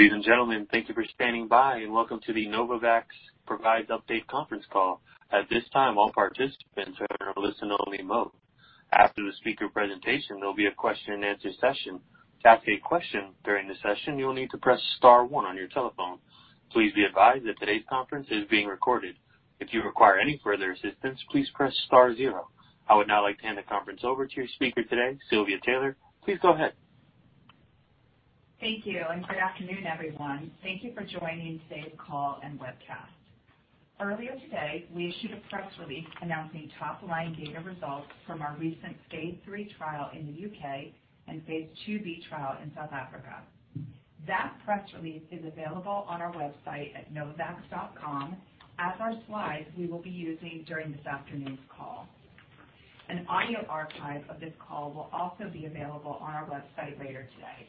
Ladies and gentlemen, thank you for standing by, and welcome to the Novavax Provides Update conference call. At this time, all participants are in a listen-only mode. After the speaker presentation, there'll be a question-and-answer session. To ask a question during the session, you'll need to press star 1 on your telephone. Please be advised that today's conference is being recorded. If you require any further assistance, please press star 0. I would now like to hand the conference over to your speaker today, Silvia Taylor. Please go ahead. Thank you, and good afternoon, everyone. Thank you for joining today's call and webcast. Earlier today, we issued a press release announcing top-line data results from our recent phase III trial in the U.K. and phase II-B trial in South Africa. That press release is available on our website at novavax.com, as are slides we will be using during this afternoon's call. An audio archive of this call will also be available on our website later today.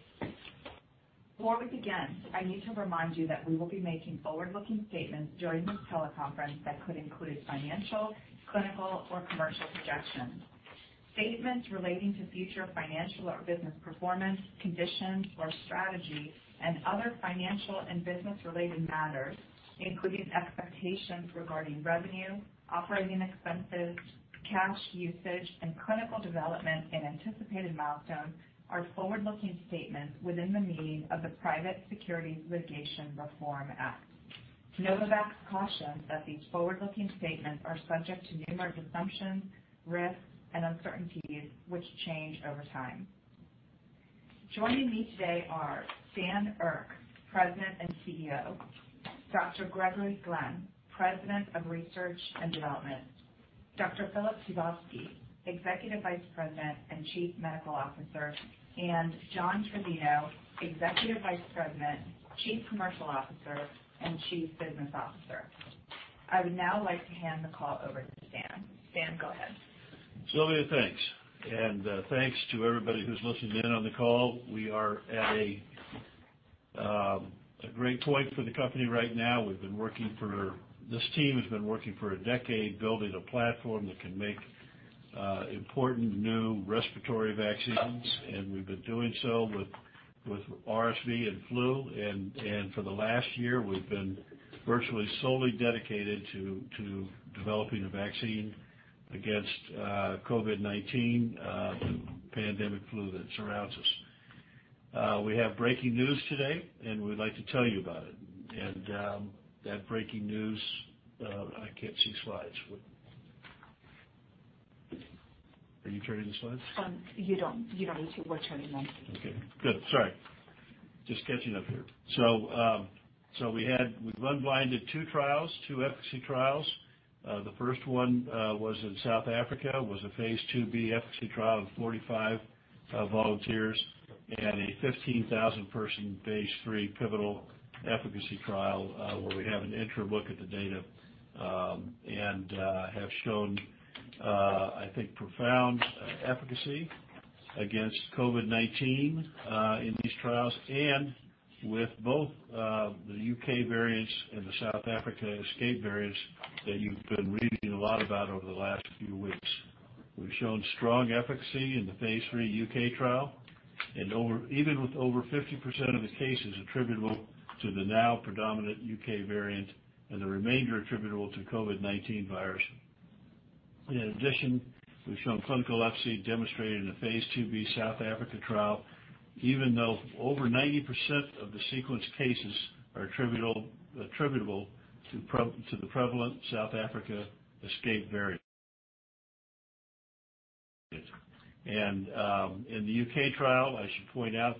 Before we begin, I need to remind you that we will be making forward-looking statements during this teleconference that could include financial, clinical, or commercial projections. Statements relating to future financial or business performance, conditions or strategy, and other financial and business-related matters, including expectations regarding revenue, operating expenses, cash usage, and clinical development and anticipated milestones, are forward-looking statements within the meaning of the Private Securities Litigation Reform Act. Novavax cautions that these forward-looking statements are subject to numerous assumptions, risks, and uncertainties, which change over time. Joining me today are Stan Erck, President and CEO, Dr. Gregory Glenn, President of Research and Development, Dr. Filip Dubovsky, Executive Vice President and Chief Medical Officer, and John Trizzino, Executive Vice President, Chief Commercial Officer, and Chief Business Officer. I would now like to hand the call over to Stan. Stan, go ahead. Silvia, thanks. And thanks to everybody who's listening in on the call. We are at a great point for the company right now. This team has been working for a decade building a platform that can make important new respiratory vaccines, and we've been doing so with RSV and flu. And for the last year, we've been virtually solely dedicated to developing a vaccine against COVID-19, the pandemic flu that surrounds us. We have breaking news today, and we'd like to tell you about it. And that breaking news. I can't see slides. Are you turning the slides? You don't. You don't need to. We're turning them. Okay. Good. Sorry. Just catching up here. So we've unblinded two trials, two efficacy trials. The first one was in South Africa. It was a phase II-B efficacy trial with 45 volunteers and a 15,000-person phase III pivotal efficacy trial where we have an interim look at the data and have shown, I think, profound efficacy against COVID-19 in these trials and with both the U.K. variants and the South Africa escape variants that you've been reading a lot about over the last few weeks. We've shown strong efficacy in the phase III U.K. trial, and even with over 50% of the cases attributable to the now predominant U.K. variant and the remainder attributable to COVID-19 virus. In addition, we've shown clinical efficacy demonstrated in the phase II-B South Africa trial, even though over 90% of the sequenced cases are attributable to the prevalent South Africa escape variant. In the U.K. trial, I should point out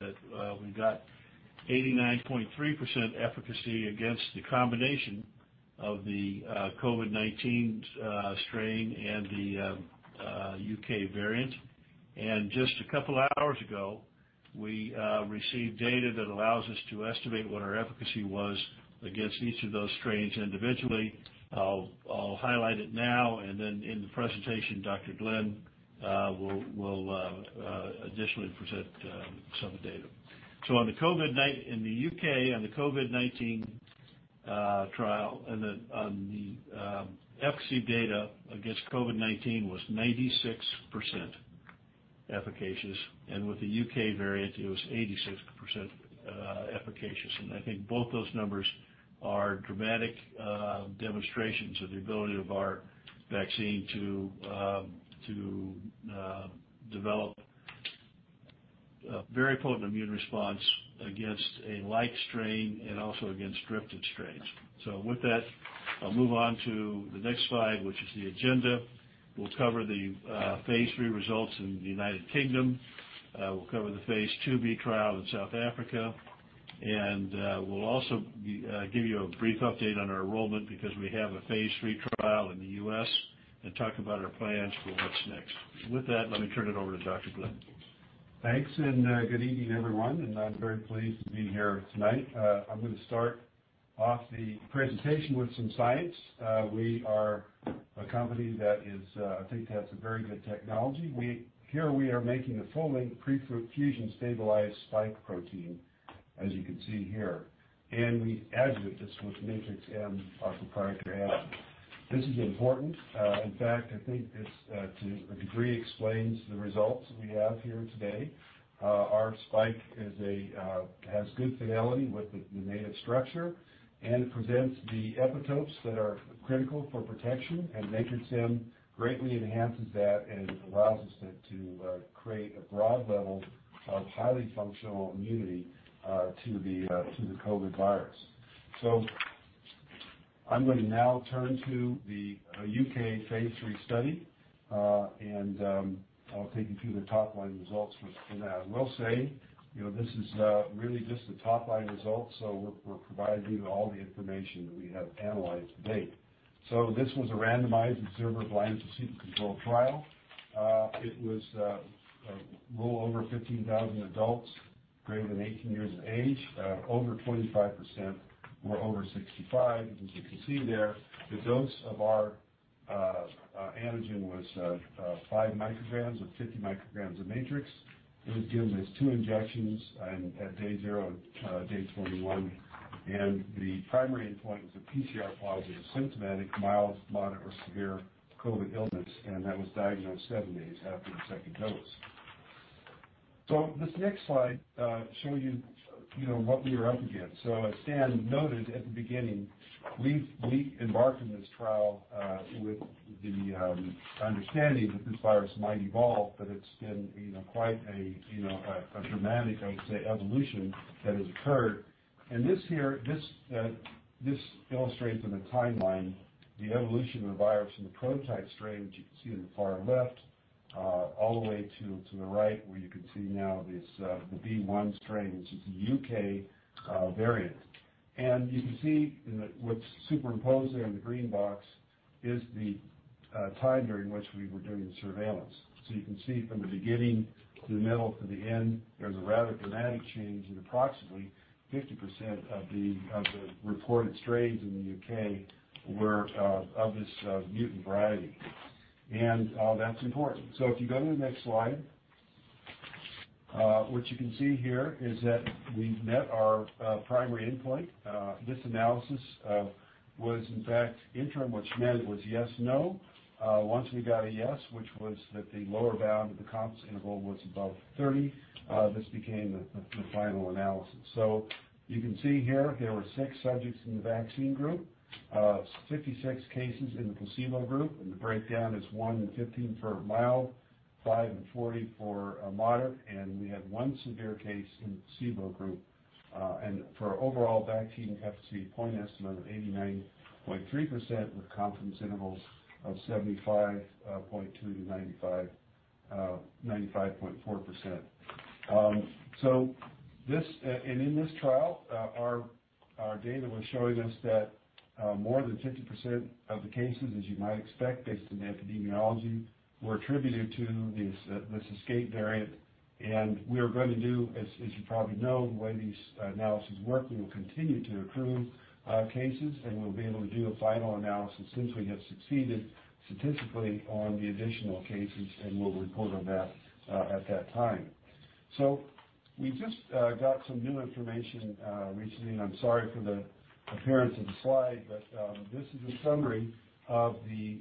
that we got 89.3% efficacy against the combination of the COVID-19 strain and the U.K. variant. Just a couple of hours ago, we received data that allows us to estimate what our efficacy was against each of those strains individually. I'll highlight it now, and then in the presentation, Dr. Glenn will additionally present some of the data. In the U.K., on the COVID-19 trial, the efficacy data against COVID-19 was 96% efficacious, and with the U.K. variant, it was 86% efficacious. I think both those numbers are dramatic demonstrations of the ability of our vaccine to develop a very potent immune response against a like strain and also against drifted strains. With that, I'll move on to the next slide, which is the agenda. We'll cover the phase III results in the United Kingdom. We'll cover the phase II-B trial in South Africa. And we'll also give you a brief update on our enrollment because we have a phase III trial in the U.S. and talk about our plans for what's next. With that, let me turn it over to Dr. Glenn. Thanks, and good evening, everyone. I'm very pleased to be here tonight. I'm going to start off the presentation with some science. We are a company. I think that's a very good technology. Here we are making a full-length prefusion stabilized spike protein, as you can see here. We adjuvant this with Matrix-M, our proprietary adjuvant. This is important. In fact, I think this to a degree explains the results we have here today. Our spike has good fidelity with the native structure and presents the epitopes that are critical for protection, and Matrix-M greatly enhances that and allows us to create a broad level of highly functional immunity to the COVID virus. I'm going to now turn to the U.K. phase III study, and I'll take you through the top-line results from that. I will say this is really just the top-line results, so we're providing you all the information that we have analyzed to date. This was a randomized observer-blinded placebo-controlled trial. It enrolled over 15,000 adults greater than 18 years of age. Over 25% were over 65, as you can see there. The dose of our antigen was 5 micrograms and 50 micrograms of Matrix-M. It was given as two injections at day 0 and day 21. The primary endpoint was a PCR positive, symptomatic, mild, moderate, or severe COVID illness, and that was diagnosed seven days after the second dose. This next slide shows you what we are up against. As Stan noted at the beginning, we embarked on this trial with the understanding that this virus might evolve, but it's been quite a dramatic, I would say, evolution that has occurred. This illustrates on the timeline the evolution of the virus and the prototype strain, which you can see on the far left, all the way to the right, where you can see now the V1 strain, which is the U.K. variant. You can see what's superimposed there in the green box is the time during which we were doing the surveillance. You can see from the beginning to the middle to the end, there's a rather dramatic change, and approximately 50% of the reported strains in the U.K. were of this mutant variety. That's important. If you go to the next slide, what you can see here is that we met our primary endpoint. This analysis was, in fact, interim, which meant it was yes/no. Once we got a yes, which was that the lower bound of the confidence interval was above 30, this became the final analysis. So you can see here there were six subjects in the vaccine group, 56 cases in the placebo group, and the breakdown is one and 15 for mild, five and 40 for moderate, and we had one severe case in the placebo group. And for overall vaccine efficacy, point estimate of 89.3% with confidence intervals of 75.2%-95.4%. So in this trial, our data was showing us that more than 50% of the cases, as you might expect based on the epidemiology, were attributed to this escape variant. We are going to do, as you probably know, the way these analyses work. We will continue to accrue cases, and we'll be able to do a final analysis since we have succeeded statistically on the additional cases, and we'll report on that at that time. So we just got some new information recently, and I'm sorry for the appearance of the slide, but this is a summary of the,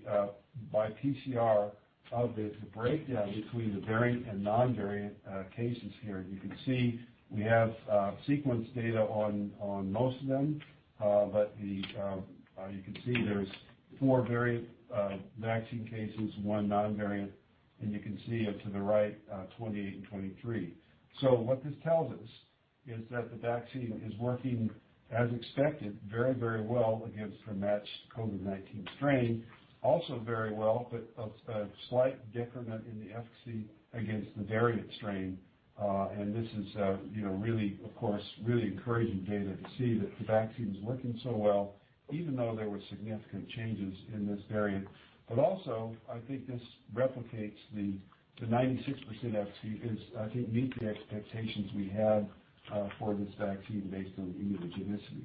by PCR, of the breakdown between the variant and non-variant cases here. You can see we have sequence data on most of them, but you can see there's four variant vaccine cases, one non-variant, and you can see up to the right 28 and 23. So what this tells us is that the vaccine is working, as expected, very, very well against a matched COVID-19 strain. Also very well, but a slight decrement in the efficacy against the variant strain, and this is really, of course, really encouraging data to see that the vaccine is working so well, even though there were significant changes in this variant, but also, I think this replicates the 96% efficacy is, I think, meets the expectations we had for this vaccine based on immunogenicity,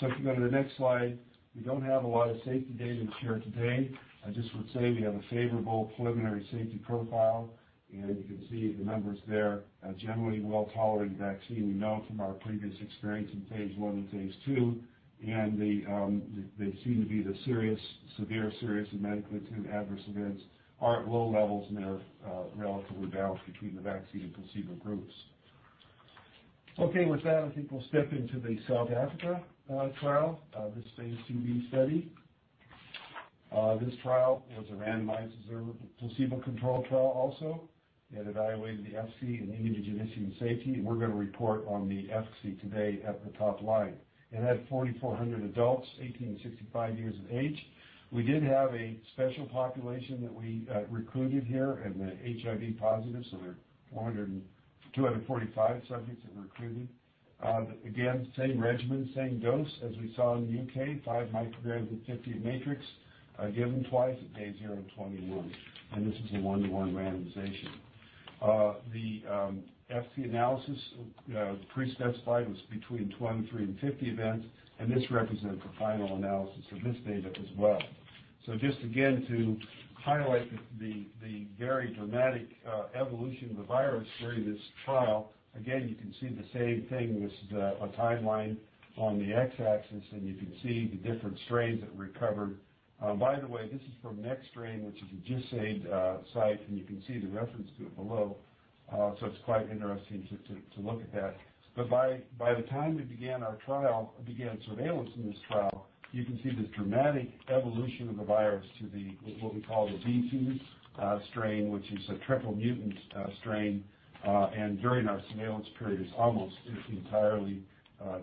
so if you go to the next slide, we don't have a lot of safety data here today. I just would say we have a favorable preliminary safety profile, and you can see the numbers there. A generally well-tolerated vaccine, we know from our previous experience in phase I and phase II, and they seem to be the severe, serious, and medically adverse events are at low levels, and they're relatively balanced between the vaccine and placebo groups. Okay, with that, I think we'll step into the South Africa trial, this phase II-B study. This trial was a randomized observer-placebo-controlled trial also. It evaluated the efficacy and immunogenicity and safety, and we're going to report on the efficacy today at the top line. It had 4,400 adults, 18-65 years of age. We did have a special population that we recruited here, and the HIV positives, so there are 245 subjects that were recruited. Again, same regimen, same dose as we saw in the U.K., five micrograms of 50 of Matrix-M given twice at day 0 and 21. And this is a one-to-one randomization. The efficacy analysis pre-specified was between 23 and 50 events, and this represents the final analysis of this data as well. So just again to highlight the very dramatic evolution of the virus during this trial, again, you can see the same thing with a timeline on the x-axis, and you can see the different strains that recovered. By the way, this is from Nextstrain, which is a GISAID site, and you can see the reference to it below. So it's quite interesting to look at that. But by the time we began our trial, began surveillance in this trial, you can see this dramatic evolution of the virus to what we call the V2 strain, which is a triple mutant strain. And during our surveillance period, it's almost entirely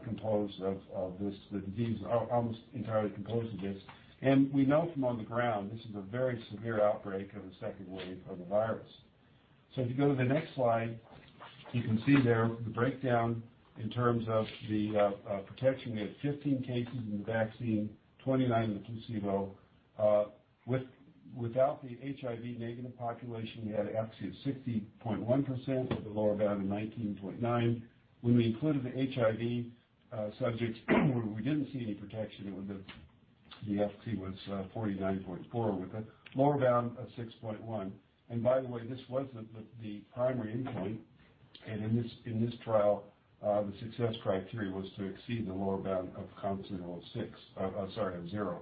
composed of this. The disease is almost entirely composed of this. And we know from on the ground, this is a very severe outbreak of a second wave of the virus. So if you go to the next slide, you can see there the breakdown in terms of the protection. We had 15 cases in the vaccine, 29 in the placebo. Without the HIV-negative population, we had an efficacy of 60.1% with a lower bound of 19.9%. When we included the HIV subjects, we didn't see any protection. The efficacy was 49.4% with a lower bound of 6.1%. And by the way, this wasn't the primary endpoint. And in this trial, the success criteria was to exceed the lower bound of confidence interval of 6, sorry, of 0.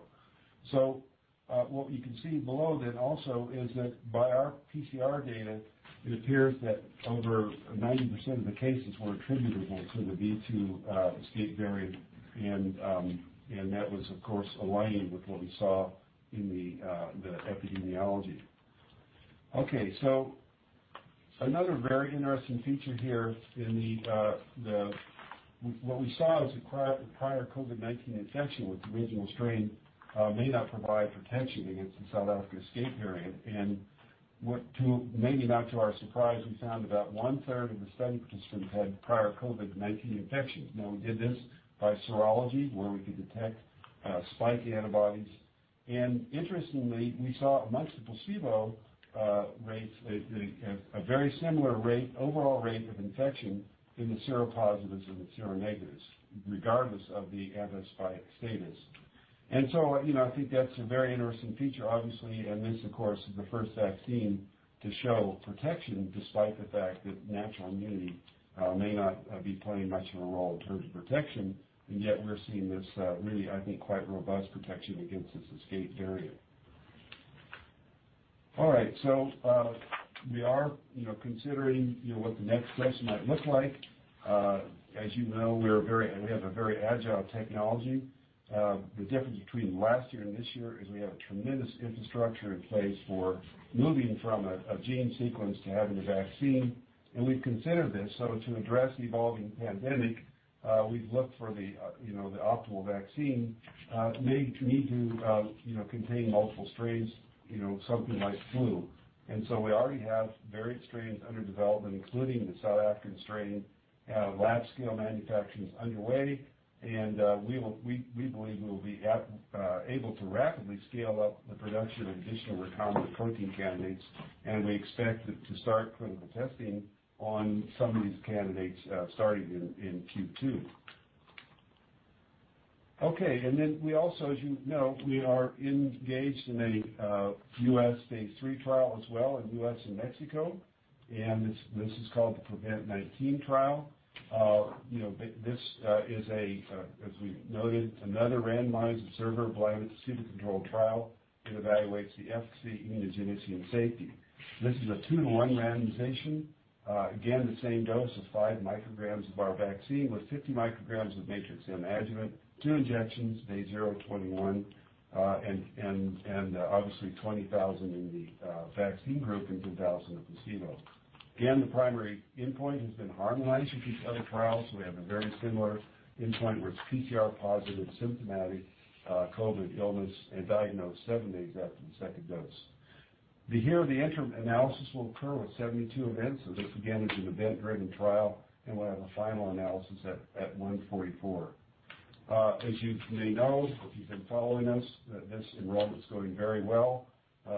So what you can see below then also is that by our PCR data, it appears that over 90% of the cases were attributable to the V2 escape variant. And that was, of course, aligning with what we saw in the epidemiology. Okay, so another very interesting feature here in what we saw is that prior COVID-19 infection with the original strain may not provide protection against the South Africa escape variant. And maybe not to our surprise, we found about one-third of the study participants had prior COVID-19 infections. Now, we did this by serology, where we could detect spike antibodies. And interestingly, we saw amongst the placebo rates a very similar overall rate of infection in the seropositives and the seronegatives, regardless of the anti-spike status. And so I think that's a very interesting feature, obviously. And this, of course, is the first vaccine to show protection despite the fact that natural immunity may not be playing much of a role in terms of protection. And yet we're seeing this really, I think, quite robust protection against this escape variant. All right, so we are considering what the next steps might look like. As you know, we have a very agile technology. The difference between last year and this year is we have a tremendous infrastructure in place for moving from a gene sequence to having a vaccine. And we've considered this. So to address the evolving pandemic, we've looked for the optimal vaccine that may need to contain multiple strains, something like flu. And so we already have variant strains under development, including the South African strain. Lab scale manufacturing is underway, and we believe we will be able to rapidly scale up the production of additional recombinant protein candidates. And we expect to start clinical testing on some of these candidates starting in Q2. Okay, and then we also, as you know, we are engaged in a U.S. phase III trial as well in the U.S. and Mexico. This is called the PREVENT-19 trial. This is a, as we noted, another randomized observer-blinded placebo-controlled trial that evaluates the efficacy, immunogenicity, and safety. This is a two-to-one randomization. Again, the same dose of 5 micrograms of our vaccine with 50 micrograms of Matrix-M adjuvant, two injections, day 0, 21, and obviously 20,000 in the vaccine group and 2,000 in the placebo. Again, the primary endpoint has been harmonized with these other trials. We have a very similar endpoint where it's PCR positive, symptomatic, COVID illness, and diagnosed seven days after the second dose. Here the interim analysis will occur with 72 events. So this again is an event-driven trial, and we'll have a final analysis at 144. As you may know, if you've been following us, this enrollment is going very well.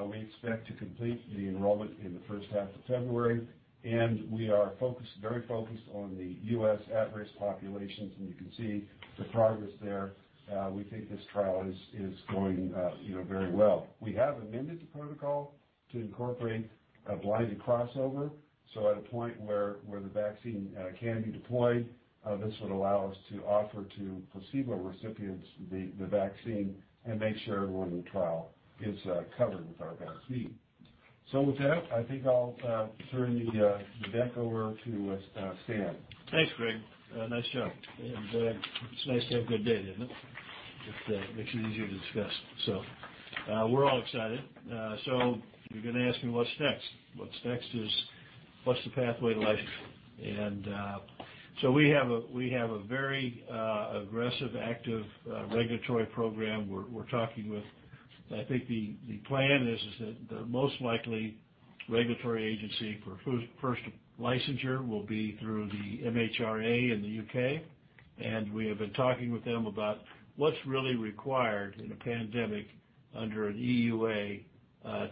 We expect to complete the enrollment in the first half of February, and we are very focused on the U.S. at-risk populations, and you can see the progress there. We think this trial is going very well. We have amended the protocol to incorporate a blinded crossover, so at a point where the vaccine can be deployed, this would allow us to offer to placebo recipients the vaccine and make sure everyone in the trial is covered with our vaccine, so with that, I think I'll turn the deck over to Stan. Thanks, Greg. Nice show. And it's nice to have a good day, isn't it? It makes it easier to discuss. So we're all excited. So you're going to ask me what's next. What's next is what's the pathway to licensure? And so we have a very aggressive, active regulatory program. We're talking with, I think the plan is that the most likely regulatory agency for first licensure will be through the MHRA in the U.K. And we have been talking with them about what's really required in a pandemic under an EUA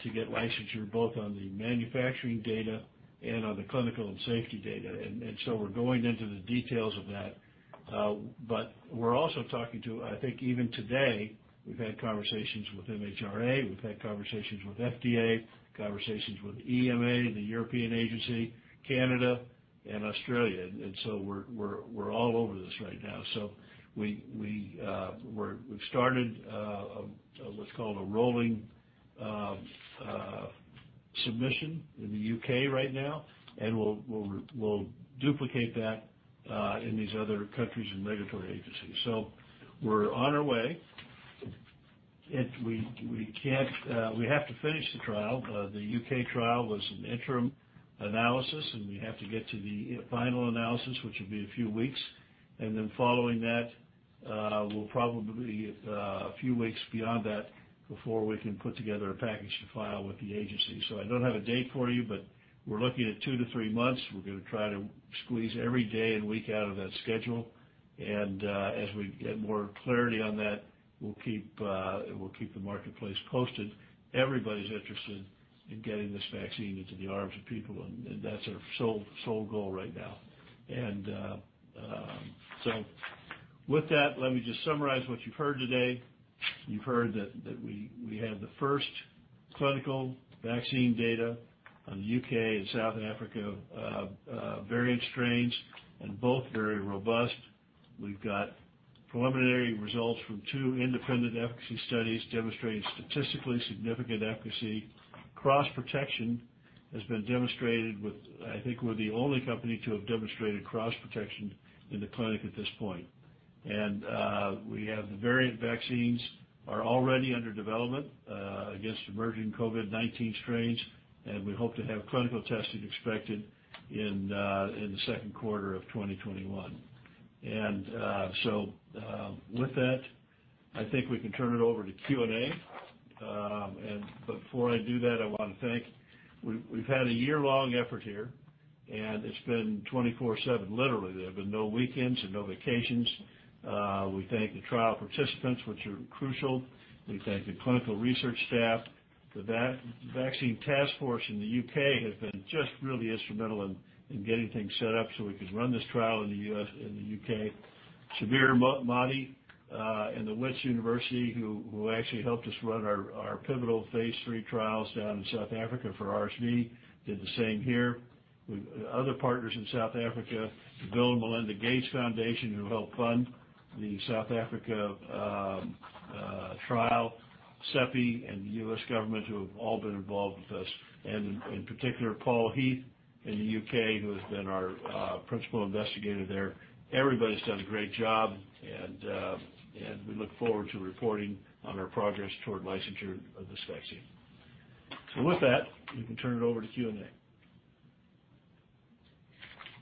to get licensure, both on the manufacturing data and on the clinical and safety data. And so we're going into the details of that. But we're also talking to, I think even today, we've had conversations with MHRA. We've had conversations with FDA, conversations with EMA, the European Agency, Canada, and Australia. And so we're all over this right now. So we've started what's called a rolling submission in the U.K. right now, and we'll duplicate that in these other countries and regulatory agencies. So we're on our way. We have to finish the trial. The U.K. trial was an interim analysis, and we have to get to the final analysis, which will be a few weeks. And then following that, we'll probably be a few weeks beyond that before we can put together a package to file with the agency. So I don't have a date for you, but we're looking at two-to-three months. We're going to try to squeeze every day and week out of that schedule. And as we get more clarity on that, we'll keep the marketplace posted. Everybody's interested in getting this vaccine into the arms of people, and that's our sole goal right now. So with that, let me just summarize what you've heard today. You've heard that we have the first clinical vaccine data on the U.K. and South Africa variant strains, and both very robust. We've got preliminary results from two independent efficacy studies demonstrating statistically significant efficacy. Cross protection has been demonstrated with, I think we're the only company to have demonstrated cross protection in the clinic at this point. And we have the variant vaccines that are already under development against emerging COVID-19 strains, and we hope to have clinical testing expected in the second quarter of 2021. So with that, I think we can turn it over to Q&A. But before I do that, I want to thank. We've had a year-long effort here, and it's been 24/7. Literally, there have been no weekends and no vacations. We thank the trial participants, which are crucial. We thank the clinical research staff. The Vaccine Task Force in the U.K. has been just really instrumental in getting things set up so we could run this trial in the U.K. Shabir Madhi and the Wits University, who actually helped us run our pivotal phase III trials down in South Africa for RSV, did the same here. Other partners in South Africa, the Bill & Melinda Gates Foundation, who helped fund the South Africa trial, CEPI, and the U.S. government, who have all been involved with us, and in particular, Paul Heath in the U.K., who has been our principal investigator there. Everybody's done a great job, and we look forward to reporting on our progress toward licensure of this vaccine, so with that, we can turn it over to Q&A.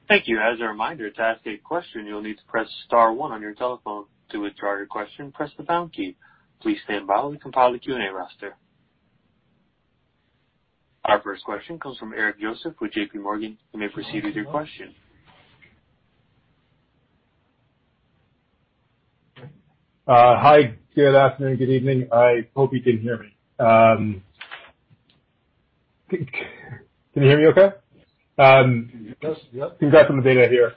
Thank you. As a reminder, to ask a question, you'll need to press star 1 on your telephone. To withdraw your question, press the pound key. Please stand by while we compile the Q&A roster. Our first question comes from Eric Joseph with JPMorgan. You may proceed with your question. Hi. Good afternoon. Good evening. I hope you can hear me. Can you hear me okay? Congrats on the data here.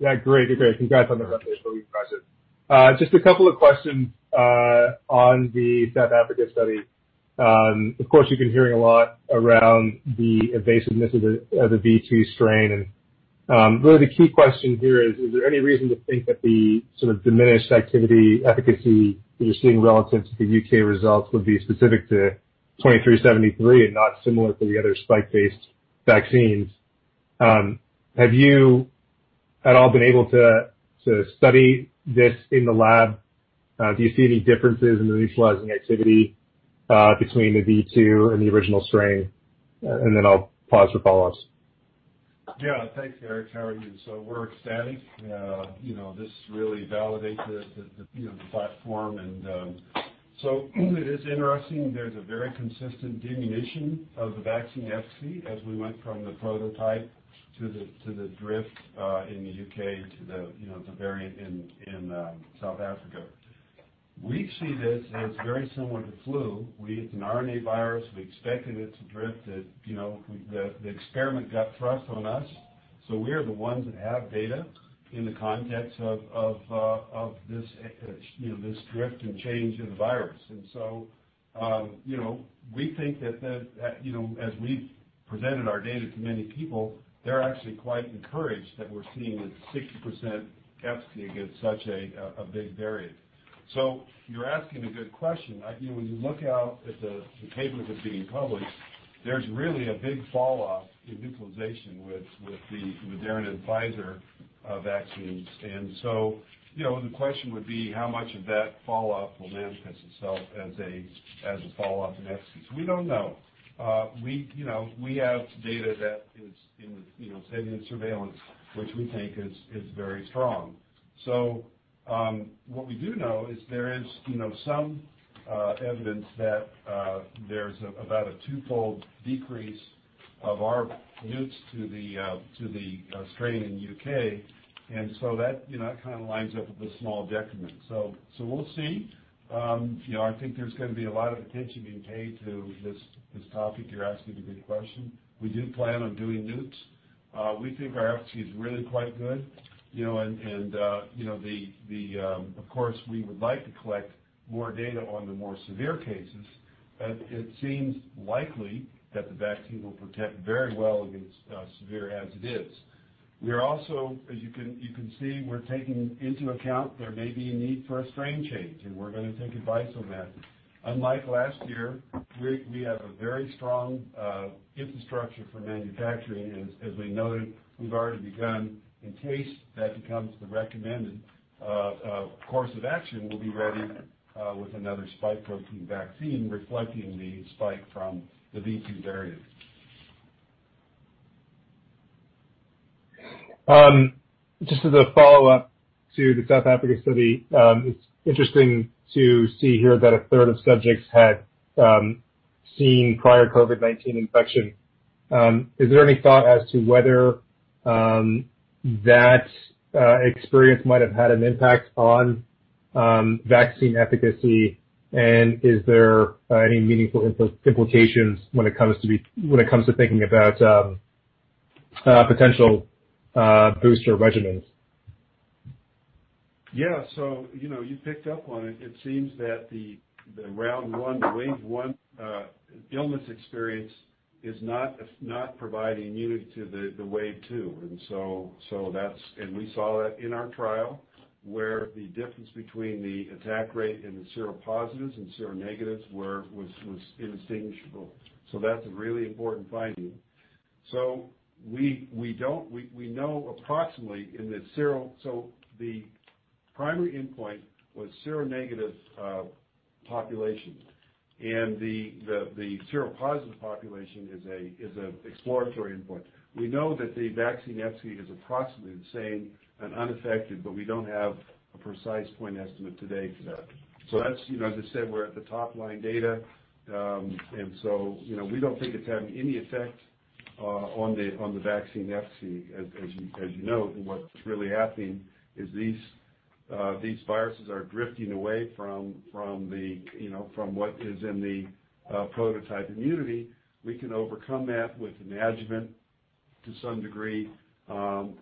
Yeah, great. Congrats on the record. Just a couple of questions on the South Africa study. Of course, you've been hearing a lot around the invasiveness of the V2 strain. And really, the key question here is, is there any reason to think that the sort of diminished efficacy that you're seeing relative to the U.K. results would be specific to NVX-CoV2373 and not similar to the other spike-based vaccines? Have you at all been able to study this in the lab? Do you see any differences in the neutralizing activity between the V2 and the original strain? And then I'll pause for follow-ups. Yeah, thanks, Eric. How are you? So we're excited. This really validates the platform. And so it is interesting. There's a very consistent diminution of the vaccine efficacy as we went from the prototype to the drift in the U.K. to the variant in South Africa. We see this as very similar to flu. It's an RNA virus. We expected it to drift. The experiment got thrust on us. So we are the ones that have data in the context of this drift and change in the virus. And so we think that as we've presented our data to many people, they're actually quite encouraged that we're seeing a 60% efficacy against such a big variant. So you're asking a good question. When you look out at the papers that are being published, there's really a big falloff in neutralization with the Moderna and Pfizer vaccines. The question would be, how much of that falloff will manifest itself as a falloff in efficacy? We don't know. We have data that is in the study and surveillance, which we think is very strong. What we do know is there is some evidence that there's about a twofold decrease of our neuts to the strain in the U.K. That kind of lines up with a small decrement. We'll see. I think there's going to be a lot of attention being paid to this topic. You're asking a good question. We do plan on doing neuts. We think our efficacy is really quite good. Of course, we would like to collect more data on the more severe cases. It seems likely that the vaccine will protect very well against severe as it is. We are also, as you can see, we're taking into account there may be a need for a strain change, and we're going to take advice on that. Unlike last year, we have a very strong infrastructure for manufacturing. And as we noted, we've already begun. In case that becomes the recommended course of action, we'll be ready with another spike protein vaccine reflecting the spike from the V2 variant. Just as a follow-up to the South Africa study, it's interesting to see here that a third of subjects had seen prior COVID-19 infection. Is there any thought as to whether that experience might have had an impact on vaccine efficacy? And is there any meaningful implications when it comes to thinking about potential booster regimens? Yeah. So you picked up on it. It seems that the round one, the wave one illness experience is not providing immunity to the wave two. And we saw that in our trial where the difference between the attack rate and the seropositives and seronegatives was indistinguishable. So that's a really important finding. So we know approximately in the seropositive. So the primary endpoint was seronegative population. And the seropositive population is an exploratory endpoint. We know that the vaccine efficacy is approximately the same and unaffected, but we don't have a precise point estimate today for that. So as I said, we're at the top-line data. And so we don't think it's having any effect on the vaccine efficacy, as you know. And what's really happening is these viruses are drifting away from what is in the prototype immunity. We can overcome that with an adjuvant to some degree. We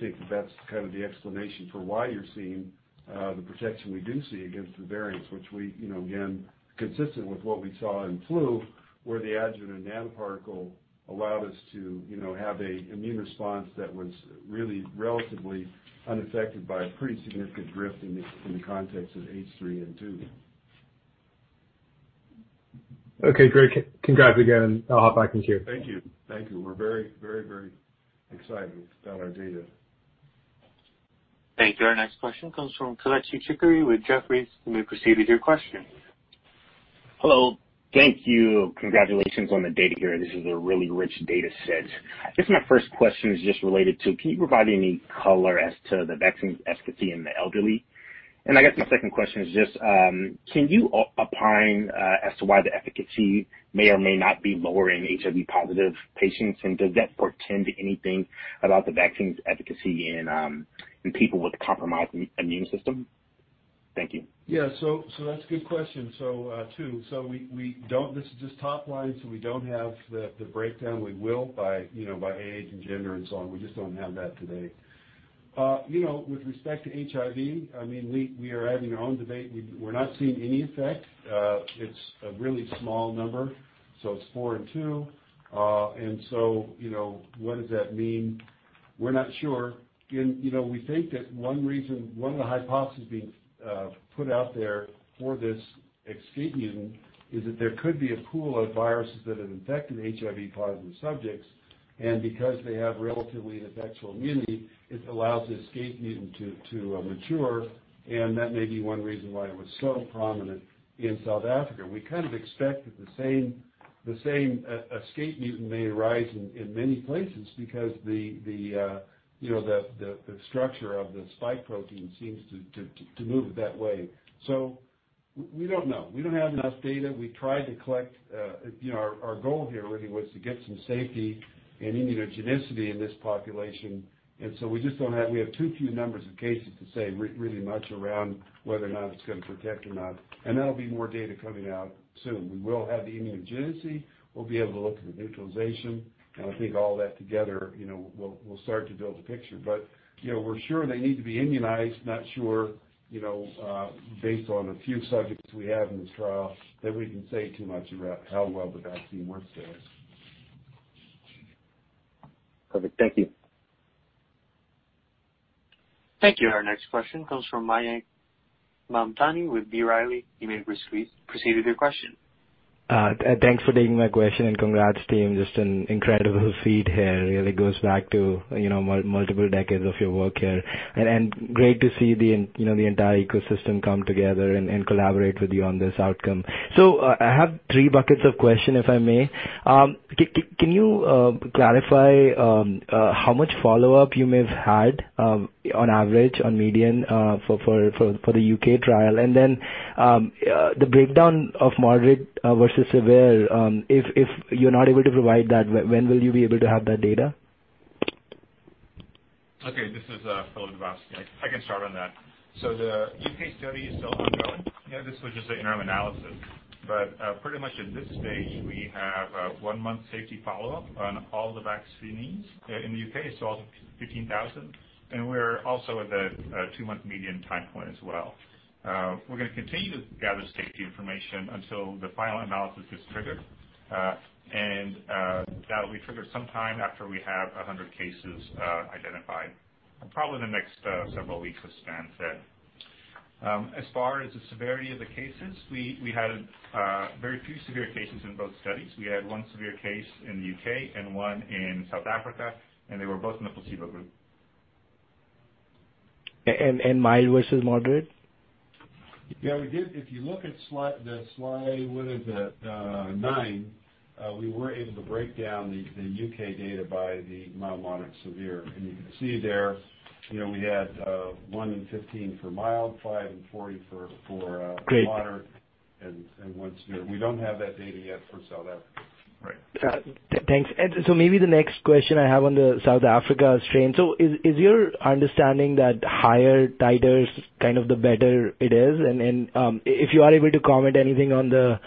think that that's kind of the explanation for why you're seeing the protection we do see against the variants, which we, again, consistent with what we saw in flu, where the adjuvant and nanoparticle allowed us to have an immune response that was really relatively unaffected by a pretty significant drift in the context of H3N2. Okay, Greg, congrats again. I'll hop back in here. Thank you. Thank you. We're very, very, very excited about our data. Thank you. Our next question comes from Khaled Shukri with Jefferies. You may proceed with your question. Hello. Thank you. Congratulations on the data here. This is a really rich data set. I guess my first question is just related to, can you provide any color as to the vaccine efficacy in the elderly? And I guess my second question is just, can you opine as to why the efficacy may or may not be lower in HIV-positive patients? And does that portend anything about the vaccine's efficacy in people with compromised immune system? Thank you. Yeah. So that's a good question, too. So this is just top line. So we don't have the breakdown we will by age and gender and so on. We just don't have that today. With respect to HIV, I mean, we are having our own debate. We're not seeing any effect. It's a really small number. So it's four and two. And so what does that mean? We're not sure. And we think that one reason, one of the hypotheses being put out there for this escape mutant is that there could be a pool of viruses that have infected HIV-positive subjects. And because they have relatively ineffectual immunity, it allows the escape mutant to mature. And that may be one reason why it was so prominent in South Africa. We kind of expect that the same escape mutant may arise in many places because the structure of the spike protein seems to move that way, so we don't know. We don't have enough data. We tried to collect. Our goal here really was to get some safety and immunogenicity in this population, and so we just don't have too few numbers of cases to say really much around whether or not it's going to protect or not, and that'll be more data coming out soon. We will have the immunogenicity. We'll be able to look at the neutralization, and I think all that together, we'll start to build a picture, but we're sure they need to be immunized, not sure based on a few subjects we have in this trial that we can say too much about how well the vaccine works there. Perfect. Thank you. Thank you. Our next question comes from Mayank Mamtani with B. Riley. You may proceed with your question. Thanks for taking my question, and congrats, team. Just an incredible feat here. It really goes back to multiple decades of your work here, and great to see the entire ecosystem come together and collaborate with you on this outcome, so I have three buckets of questions, if I may. Can you clarify how much follow-up you may have had on average, on median, for the U.K. trial, and then the breakdown of moderate versus severe, if you're not able to provide that, when will you be able to have that data? Okay. This is Filip Dubovsky. I can start on that. So the U.K. study is still ongoing. This was just an interim analysis. But pretty much at this stage, we have a one-month safety follow-up on all the vaccines in the U.K., so 15,000. And we're also at the two-month median time point as well. We're going to continue to gather safety information until the final analysis is triggered. And that'll be triggered sometime after we have 100 cases identified, probably in the next several weeks of span there. As far as the severity of the cases, we had very few severe cases in both studies. We had one severe case in the U.K. and one in South Africa. And they were both in the placebo group. Mild versus moderate? Yeah, we did. If you look at the slide what is it? Nine, we were able to break down the U.K. data by the mild, moderate, severe, and you can see there we had one and 15 for mild, five and 40 for moderate, and one severe. We don't have that data yet for South Africa. Right. Thanks. And so maybe the next question I have on the South Africa strain. So is your understanding that higher titers, kind of the better it is? And if you are able to comment anything on the,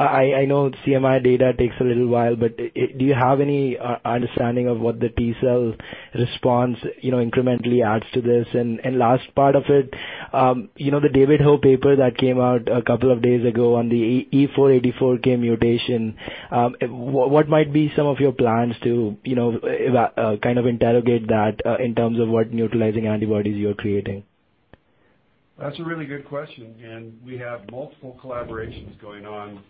I know CMI data takes a little while, but do you have any understanding of what the T cell response incrementally adds to this? And last part of it, the David Ho paper that came out a couple of days ago on the E484K mutation, what might be some of your plans to kind of interrogate that in terms of what neutralizing antibodies you are creating? That's a really good question, and we have multiple collaborations going on,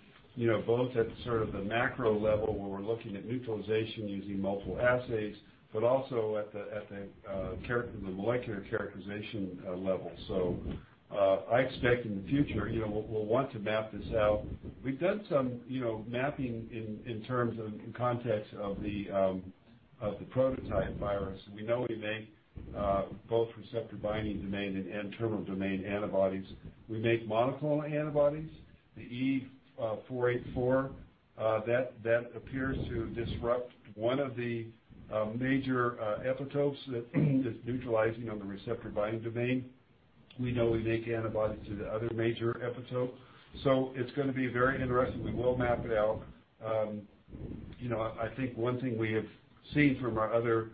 both at sort of the macro level where we're looking at neutralization using multiple assays, but also at the molecular characterization level, so I expect in the future, we'll want to map this out. We've done some mapping in terms of the context of the prototype virus. We know we make both receptor binding domain and terminal domain antibodies. We make monoclonal antibodies, the E484K. That appears to disrupt one of the major epitopes that is neutralizing on the receptor binding domain. We know we make antibodies to the other major epitope, so it's going to be very interesting. We will map it out. I think one thing we have seen from our other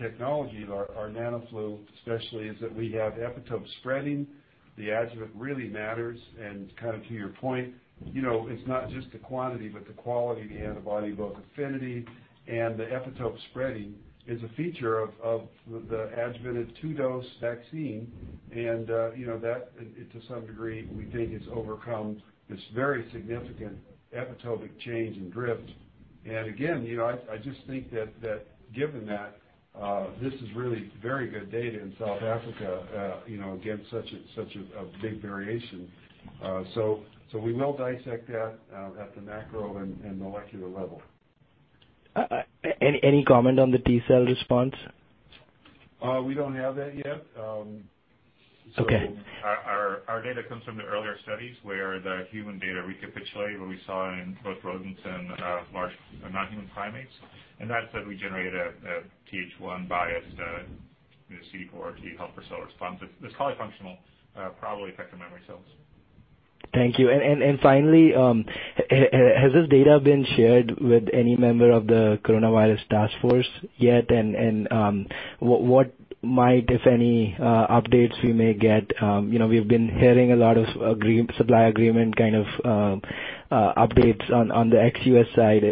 technology, our NanoFlu especially, is that we have epitope spreading. The adjuvant really matters. And kind of to your point, it's not just the quantity, but the quality of the antibody, both affinity and the epitope spreading is a feature of the adjuvanted two-dose vaccine. And that, to some degree, we think has overcome this very significant epitopic change and drift. And again, I just think that given that, this is really very good data in South Africa against such a big variation. So we will dissect that at the macro and molecular level. Any comment on the T cell response? We don't have that yet. So our data comes from the earlier studies where the human data recapitulated what we saw in both rodents and large non-human primates. And that said, we generated a Th1-biased CD4+ T cell response. It's polyfunctional, probably affecting memory cells. Thank you, and finally, has this data been shared with any member of the coronavirus task force yet, and what might, if any, updates we may get? We've been hearing a lot of supply agreement kind of updates on the ex-U.S. side.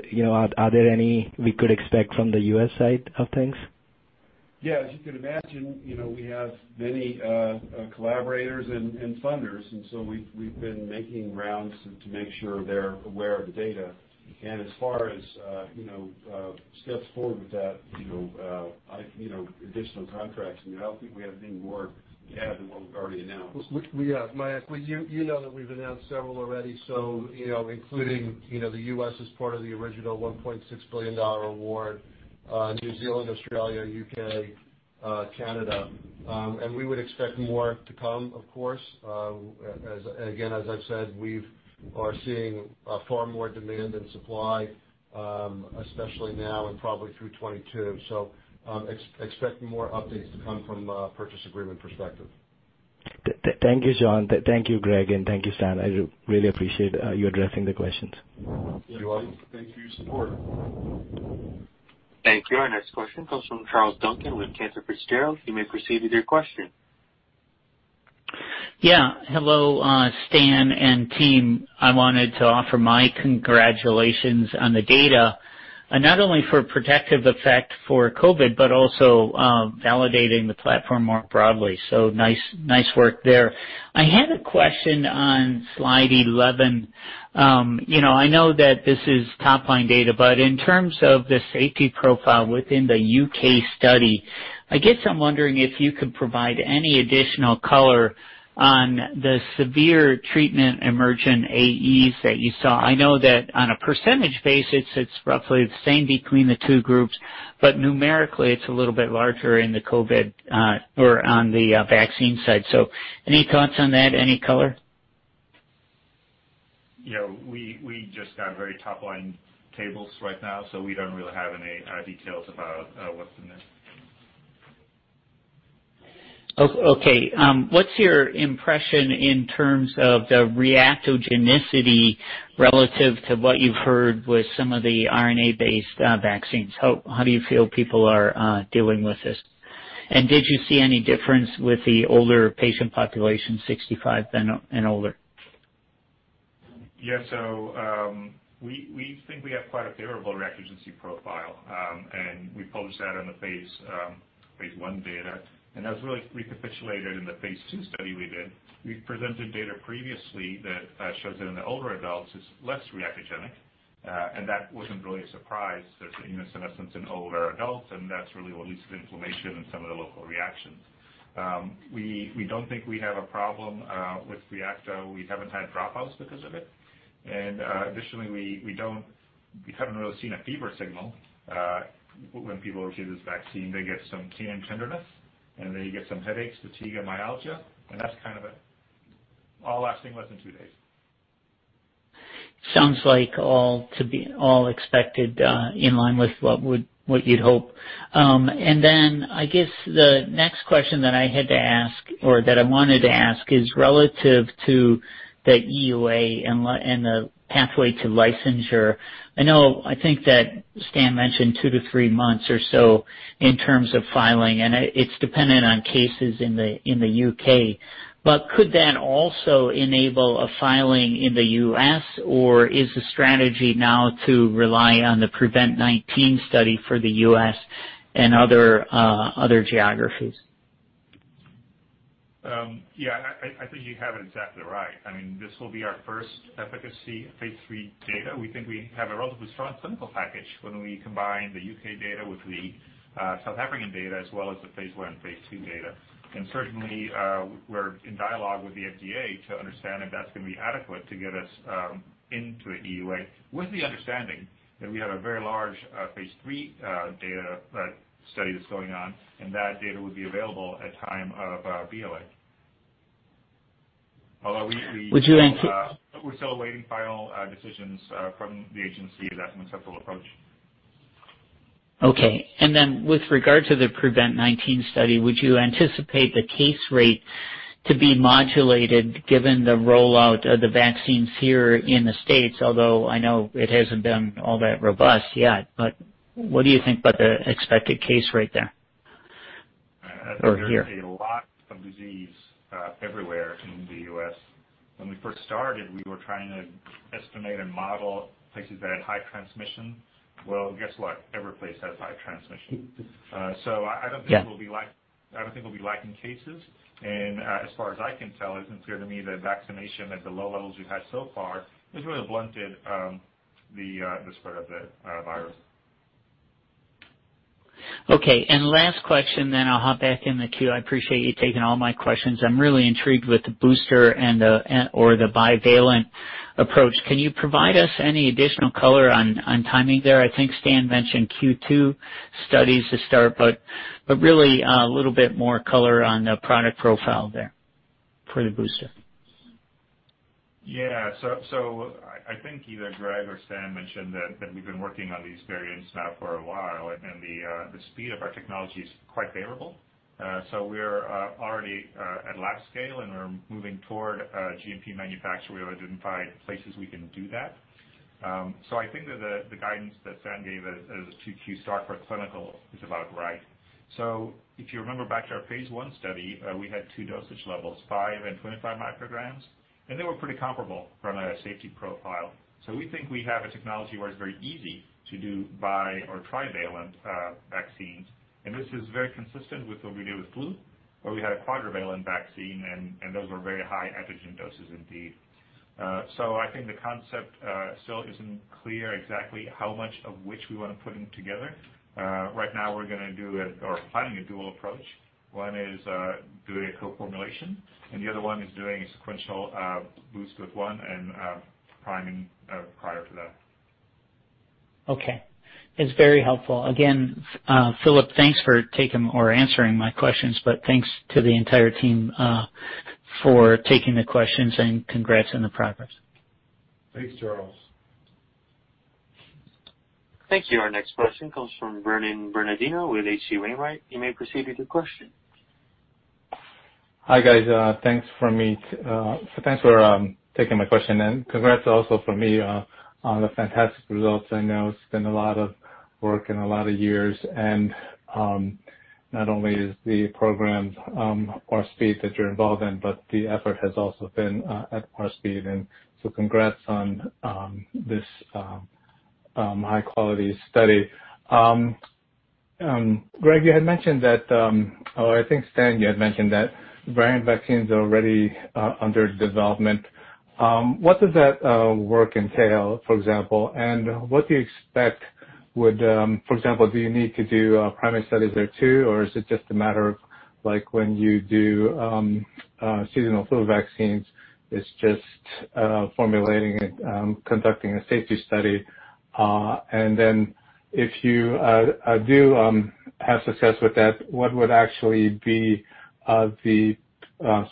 Are there any we could expect from the U.S. side of things? Yeah. As you can imagine, we have many collaborators and funders. And so we've been making rounds to make sure they're aware of the data. And as far as steps forward with that, additional contracts, we don't think we have any more to add than what we've already announced. Mayank, you know that we've announced several already, including the U.S. as part of the original $1.6 billion award, New Zealand, Australia, U.K., Canada, and we would expect more to come, of course. Again, as I've said, we are seeing far more demand than supply, especially now and probably through 2022, so expect more updates to come from a purchase agreement perspective. Thank you, John. Thank you, Greg. And thank you, Stan. I really appreciate you addressing the questions. Thank you for your support. Thank you. Our next question comes from Charles Duncan with Cantor Fitzgerald. You may proceed with your question. Yeah. Hello, Stan and team. I wanted to offer my congratulations on the data, not only for protective effect for COVID, but also validating the platform more broadly. So nice work there. I had a question on slide 11. I know that this is top-line data, but in terms of the safety profile within the U.K. study, I guess I'm wondering if you could provide any additional color on the severe treatment emergent AEs that you saw. I know that on a percentage basis, it's roughly the same between the two groups, but numerically, it's a little bit larger in the COVID or on the vaccine side. So any thoughts on that? Any color? We just got very top-line tables right now, so we don't really have any details about what's in there. Okay. What's your impression in terms of the reactogenicity relative to what you've heard with some of the RNA-based vaccines? How do you feel people are dealing with this? And did you see any difference with the older patient population, 65 and older? Yeah, so we think we have quite a favorable reactogenicity profile. We published that on the phase I data, and that was really recapitulated in the phase II study we did. We presented data previously that shows that in the older adults, it's less reactogenic, and that wasn't really a surprise. There's immunosuppressants in older adults, and that's really what leads to the inflammation and some of the local reactions. We don't think we have a problem with reacto. We haven't had dropouts because of it, and additionally, we haven't really seen a fever signal. When people receive this vaccine, they get some pain and tenderness, and they get some headaches, fatigue, and myalgia. That's kind of all lasting less than two days. Sounds like all expected in line with what you'd hope. And then I guess the next question that I had to ask or that I wanted to ask is relative to the EUA and the pathway to licensure. I think that Stan mentioned two to three months or so in terms of filing, and it's dependent on cases in the U.K. But could that also enable a filing in the U.S., or is the strategy now to rely on the PREVENT-19 study for the U.S. and other geographies? Yeah. I think you have it exactly right. I mean, this will be our first efficacy phase III data. We think we have a relatively strong clinical package when we combine the U.K. data with the South African data as well as the phase I and phase II data. And certainly, we're in dialogue with the FDA to understand if that's going to be adequate to get us into the EUA with the understanding that we have a very large phase III data study that's going on, and that data would be available at time of BLA. Although we. Would you? We're still awaiting final decisions from the agency if that's an acceptable approach. Okay. And then with regard to the PREVENT-19 study, would you anticipate the case rate to be modulated given the rollout of the vaccines here in the States, although I know it hasn't been all that robust yet? But what do you think about the expected case rate there or here? There's going to be a lot of disease everywhere in the U.S. When we first started, we were trying to estimate and model places that had high transmission. Well, guess what? Every place has high transmission. So I don't think we'll be lacking cases, and as far as I can tell, it's unclear to me that vaccination at the low levels we've had so far has really blunted the spread of the virus. Okay. And last question, then I'll hop back in the queue. I appreciate you taking all my questions. I'm really intrigued with the booster and/or the bivalent approach. Can you provide us any additional color on timing there? I think Stan mentioned Q2 studies to start, but really a little bit more color on the product profile there for the booster. Yeah. So I think either Greg or Stan mentioned that we've been working on these variants now for a while, and the speed of our technology is quite favorable. So we're already at lab scale, and we're moving toward GMP manufacturing. We've identified places we can do that. So I think that the guidance that Stan gave as a Q2 start for clinical is about right. So if you remember back to our phase I study, we had two dosage levels, 5 and 25 micrograms, and they were pretty comparable from a safety profile. So we think we have a technology where it's very easy to do bivalent or trivalent vaccines. And this is very consistent with what we did with flu, where we had a quadrivalent vaccine, and those were very high antigen doses indeed. So I think the concept still isn't clear exactly how much of which we want to put in together. Right now, we're going to do, or planning a dual approach. One is doing a co-formulation, and the other one is doing a sequential boost with one and priming prior to that. Okay. It's very helpful. Again, Filip, thanks for taking or answering my questions, but thanks to the entire team for taking the questions and congrats on the progress. Thanks, Charles. Thank you. Our next question comes from Vernon Bernardino with H.C. Wainwright. You may proceed with your question. Hi guys. Thanks from me for taking my question. And congrats also from me on the fantastic results. I know it's been a lot of work and a lot of years. And not only is the program at warp speed that you're involved in, but the effort has also been at warp speed. And so congrats on this high-quality study. Greg, you had mentioned that, or I think Stan, you had mentioned that variant vaccines are already under development. What does that work entail, for example? And what do you expect, for example, do you need to do primary studies there too, or is it just a matter of when you do seasonal flu vaccines, it's just formulating and conducting a safety study? If you do have success with that, what would actually be the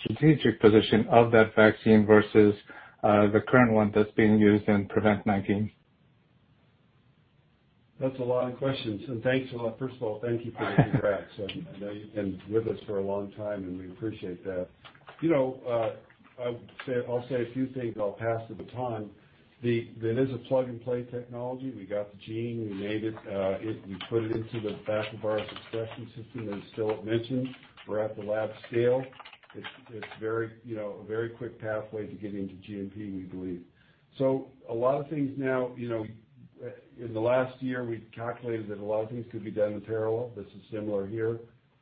strategic position of that vaccine versus the current one that's being used in PREVENT-19? That's a lot of questions and thanks a lot. First of all, thank you for the congrats. I know you've been with us for a long time, and we appreciate that. I'll say a few things. I'll pass the time. It is a plug-and-play technology. We got the gene. We made it. We put it into the baculovirus expression system. As Filip mentioned, we're at the lab scale. It's a very quick pathway to getting into GMP, we believe. So a lot of things now, in the last year, we calculated that a lot of things could be done in parallel. This is similar here.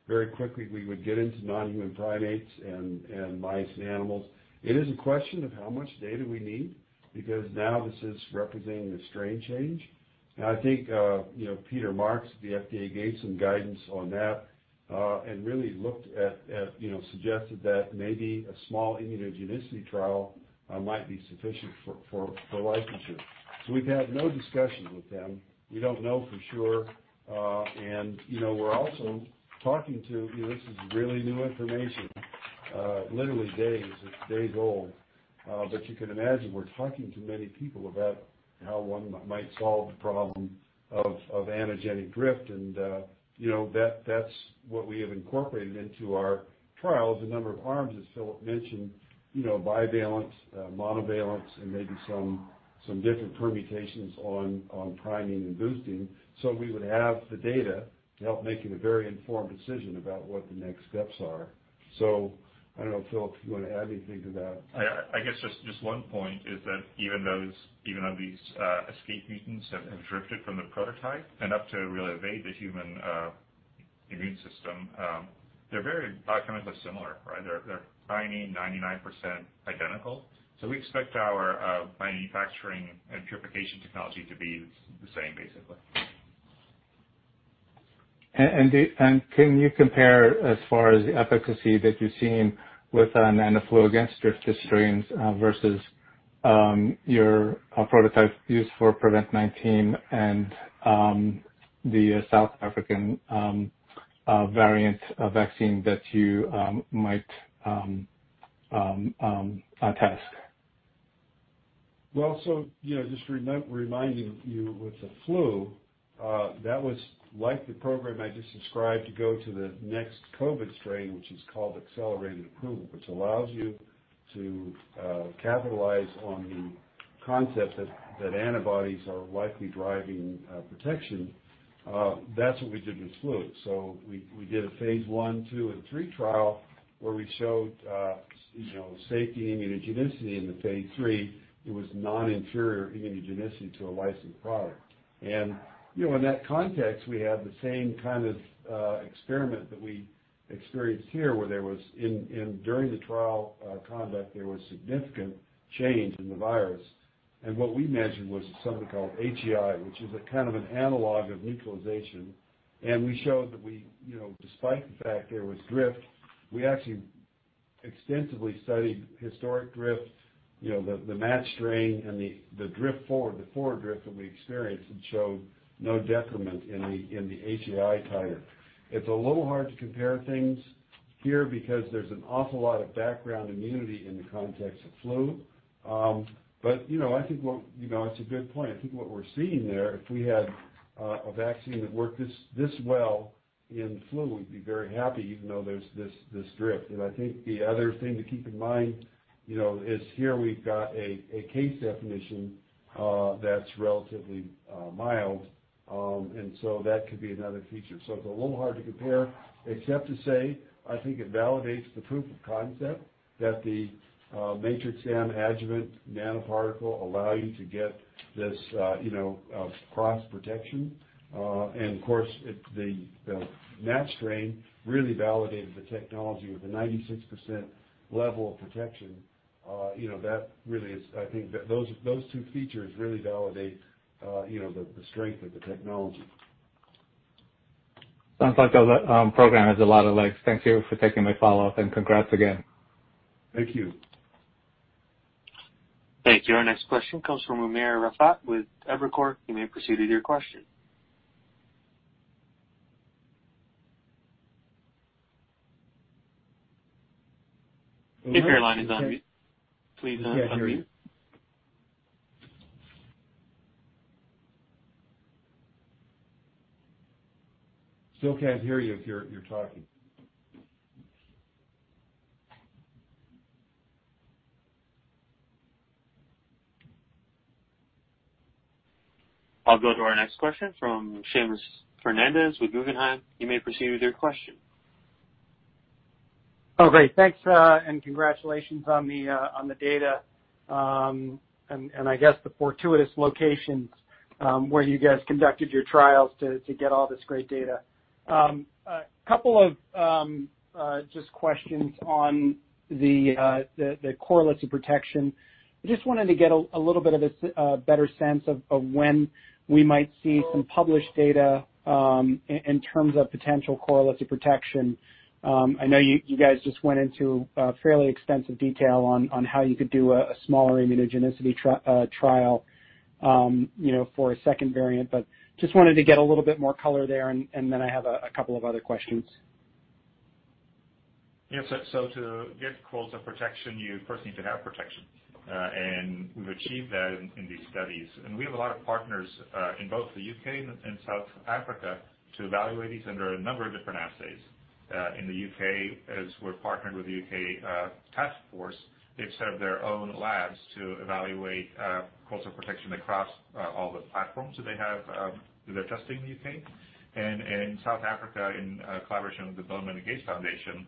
Very quickly, we would get into non-human primates and mice and animals. It is a question of how much data we need because now this is representing a strain change. I think Peter Marks, the FDA, gave some guidance on that and really looked at, suggested that maybe a small immunogenicity trial might be sufficient for licensure. So we've had no discussion with them. We don't know for sure. And we're also talking to this is really new information, literally days. It's days old. But you can imagine we're talking to many people about how one might solve the problem of antigenic drift. And that's what we have incorporated into our trials. The number of arms, as Filip mentioned, bivalent, monovalent, and maybe some different permutations on priming and boosting. So we would have the data to help make a very informed decision about what the next steps are. So I don't know, Filip, if you want to add anything to that. I guess just one point is that even though these escape mutants have drifted from the prototype and up to really evade the human immune system, they're very biochemically similar, right? They're 99% identical. So we expect our manufacturing and purification technology to be the same, basically. Can you compare as far as the efficacy that you've seen with an anti-flu against drifted strains versus your prototype used for PREVENT-19 and the South African variant vaccine that you might test? Well, so just reminding you with the flu, that was like the program I just described to go to the next COVID strain, which is called accelerated approval, which allows you to capitalize on the concept that antibodies are likely driving protection. That's what we did with flu. So we did a phase I, II, and III trial where we showed safety immunogenicity in the phase III. It was non-inferior immunogenicity to a licensed product. And in that context, we had the same kind of experiment that we experienced here where there was, during the trial conduct, significant change in the virus. And what we measured was something called HAI, which is a kind of an analog of neutralization. We showed that despite the fact there was drift, we actually extensively studied historic drift, the matched strain, and the drift forward, the forward drift that we experienced, and showed no detriment in the HAI titer. It's a little hard to compare things here because there's an awful lot of background immunity in the context of flu. But I think it's a good point. I think what we're seeing there, if we had a vaccine that worked this well in flu, we'd be very happy even though there's this drift. And I think the other thing to keep in mind is here we've got a case definition that's relatively mild, and so that could be another feature. So it's a little hard to compare, except to say I think it validates the proof of concept that the Matrix-M adjuvant nanoparticle allows you to get this cross protection. Of course, the matched strain really validated the technology with a 96% level of protection. That really is, I think those two features really validate the strength of the technology. Sounds like our program has a lot of legs. Thank you for taking my follow-up, and congrats again. Thank you. Thank you. Our next question comes from Umer Raffat with Evercore ISI. You may proceed with your question. If your line is on mute, please unmute. Still can't hear you if you're talking. I'll go to our next question from Seamus Fernandez with Guggenheim. You may proceed with your question. Oh, great. Thanks, and congratulations on the data. And I guess the fortuitous locations where you guys conducted your trials to get all this great data. A couple of just questions on the correlates of protection. I just wanted to get a little bit of a better sense of when we might see some published data in terms of potential correlates of protection. I know you guys just went into fairly extensive detail on how you could do a smaller immunogenicity trial for a second variant, but just wanted to get a little bit more color there, and then I have a couple of other questions. Yeah. So to get correlates of protection, you first need to have protection. And we've achieved that in these studies. And we have a lot of partners in both the U.K. and South Africa to evaluate these under a number of different assays. In the U.K., as we're partnered with the U.K. Task Force, they've set up their own labs to evaluate correlates of protection across all the platforms that they have that they're testing in the U.K. And in South Africa, in collaboration with the Bill & Melinda Gates Foundation,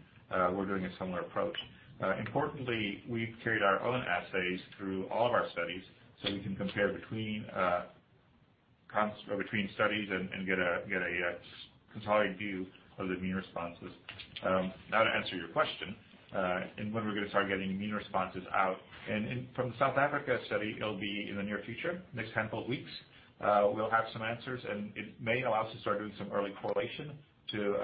we're doing a similar approach. Importantly, we've carried our own assays through all of our studies so we can compare between studies and get a consolidated view of the immune responses. Now, to answer your question, and when we're going to start getting immune responses out. From the South Africa study, it'll be in the near future, next handful of weeks. We'll have some answers, and it may allow us to start doing some early correlation to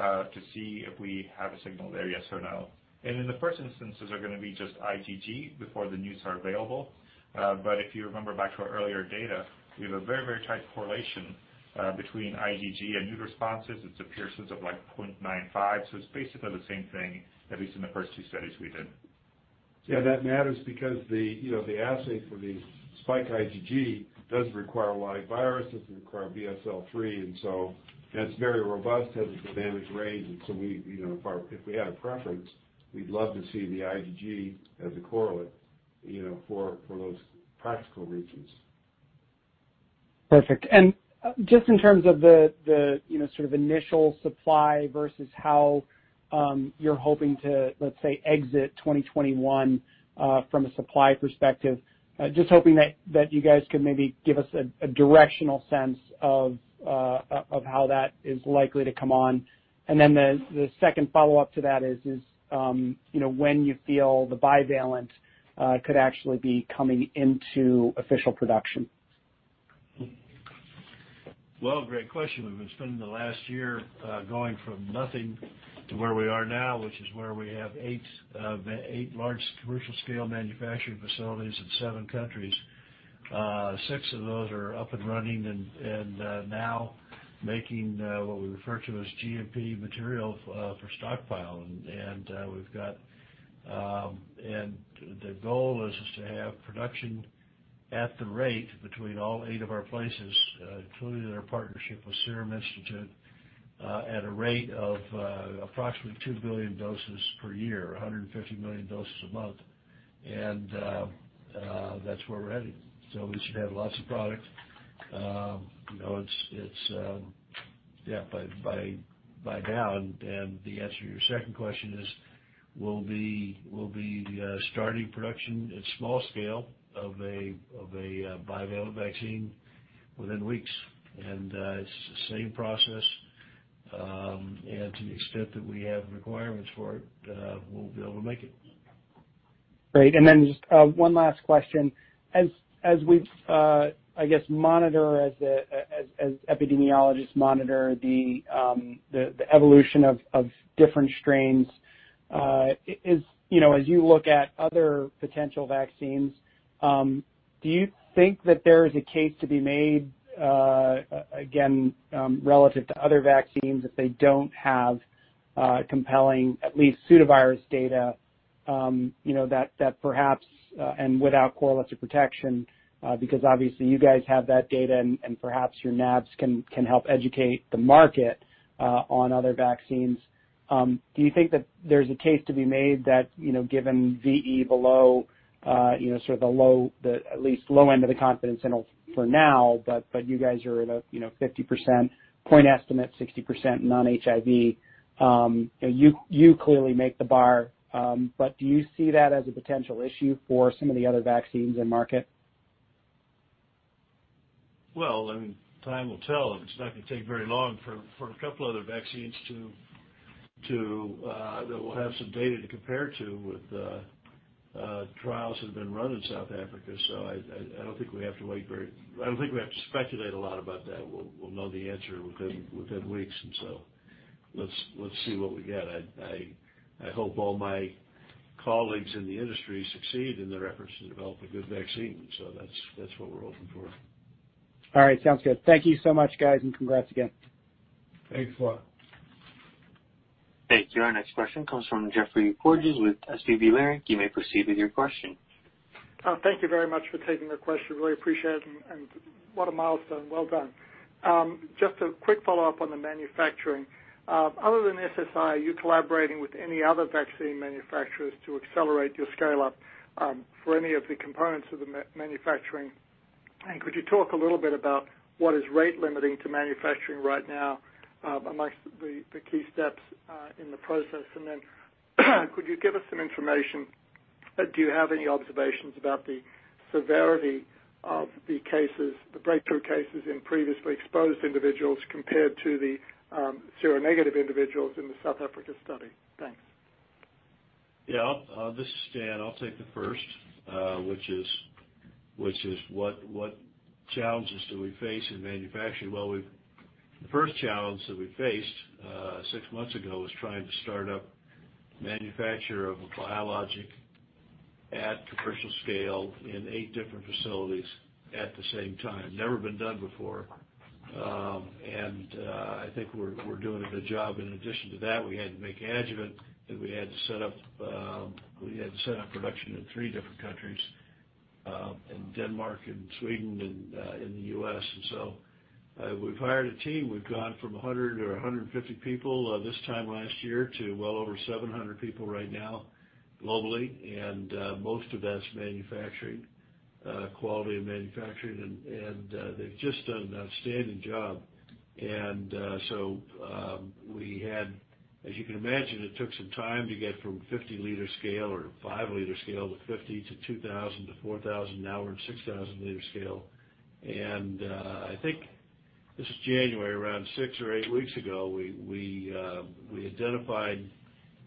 see if we have a signal there, yes or no. In the first instances, they're going to be just IgG before the neuts are available. But if you remember back to our earlier data, we have a very, very tight correlation between IgG and immune responses. It's a Pearson's r of like 0.95. So it's basically the same thing, at least in the first two studies we did. Yeah. That matters because the assay for the spike IgG does require a lot of virus. It doesn't require BSL-3. And so that's very robust, has a dynamic range. And so if we had a preference, we'd love to see the IgG as a correlate for those practical reasons. Perfect. And just in terms of the sort of initial supply versus how you're hoping to, let's say, exit 2021 from a supply perspective, just hoping that you guys could maybe give us a directional sense of how that is likely to come on. And then the second follow-up to that is when you feel the bivalent could actually be coming into official production. Great question. We've been spending the last year going from nothing to where we are now, which is where we have eight large commercial-scale manufacturing facilities in seven countries. Six of those are up and running and now making what we refer to as GMP material for stockpile. The goal is to have production at the rate between all eight of our places, including our partnership with Serum Institute, at a rate of approximately two billion doses per year, 150 million doses a month. That's where we're headed. We should have lots of product. It's, yeah, by now. The answer to your second question is we'll be starting production at small scale of a bivalent vaccine within weeks. It's the same process. To the extent that we have requirements for it, we'll be able to make it. Great. And then just one last question. As we, I guess, monitor, as epidemiologists monitor the evolution of different strains, as you look at other potential vaccines, do you think that there is a case to be made, again, relative to other vaccines if they don't have compelling, at least pseudovirus data, that perhaps, and without correlates of protection, because obviously you guys have that data and perhaps your nAbs can help educate the market on other vaccines. Do you think that there's a case to be made that given VE below sort of the low, at least low end of the confidence interval for now, but you guys are at a 50% point estimate, 60% non-HIV, you clearly make the bar. But do you see that as a potential issue for some of the other vaccines in market? I mean, time will tell. It's not going to take very long for a couple of other vaccines that we'll have some data to compare to with trials that have been run in South Africa. So I don't think we have to speculate a lot about that. We'll know the answer within weeks. And so let's see what we get. I hope all my colleagues in the industry succeed in their efforts to develop a good vaccine. So that's what we're hoping for. All right. Sounds good. Thank you so much, guys, and congrats again. Thanks a lot. Thank you. Our next question comes from Geoffrey Porges with SVB Leerink. You may proceed with your question. Thank you very much for taking the question. Really appreciate it, and what a milestone. Well done. Just a quick follow-up on the manufacturing. Other than SSI, are you collaborating with any other vaccine manufacturers to accelerate your scale-up for any of the components of the manufacturing? And could you talk a little bit about what is rate limiting to manufacturing right now amongst the key steps in the process? And then could you give us some information? Do you have any observations about the severity of the cases, the breakthrough cases in previously exposed individuals compared to the seronegative individuals in the South Africa study? Thanks. Yeah. This is Stan. I'll take the first, which is what challenges do we face in manufacturing? Well, the first challenge that we faced six months ago was trying to start up manufacture of a biologic at commercial scale in eight different facilities at the same time. Never been done before. And I think we're doing a good job. In addition to that, we had to make adjuvant, and we had to set up production in three different countries, in Denmark, in Sweden, and in the U.S. And so we've hired a team. We've gone from 100 or 150 people this time last year to well over 700 people right now globally. And most of that's manufacturing, quality of manufacturing. And they've just done an outstanding job. And so we had, as you can imagine, it took some time to get from 50-liter scale or 5-liter scale to 50 to 2,000 to 4,000. Now we're in 6,000-liter scale. And I think this was January, around six or eight weeks ago, we identified